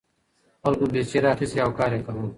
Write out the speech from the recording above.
خلکو بیلچې راخیستې وې او کار یې کاوه.